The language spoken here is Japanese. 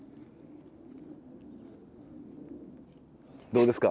どうですか？